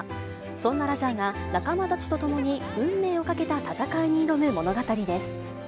そんなラジャーが仲間たちと共に運命を懸けた戦いに挑む物語です。